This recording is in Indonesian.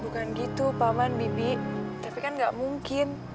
bukan gitu paman bibi tapi kan gak mungkin